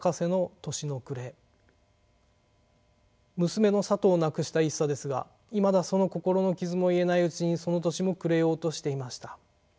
娘のさとを亡くした一茶ですがいまだその心の傷も癒えないうちにその年も暮れようとしていました。